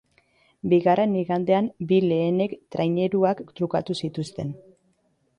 Bigarren igandean bi lehenek traineruak trukatu zituzten